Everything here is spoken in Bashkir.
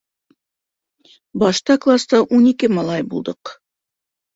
Башта класта ун ике малай булдыҡ.